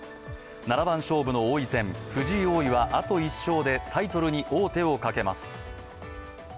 七番勝負の王位戦、藤井王位はあと１勝でタイトルに王手をかけます。